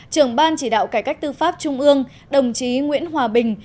trưởng ban chỉ đạo cải cách tư pháp trung ương đồng chí nguyễn hòa bình